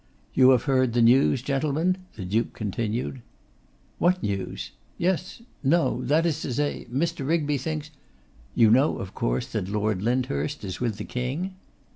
'You have heard the news, gentlemen?' the Duke continued. 'What news? Yes; no; that is to say, Mr. Rigby thinks ' 'You know, of course, that Lord Lyndhurst is with the King?